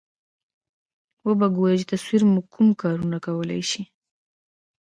و به ګورئ چې تصور مو کوم کارونه کولای شي.